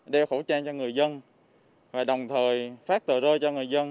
đeo khẩu trang cho người dân và đồng thời phát tờ rơi cho người dân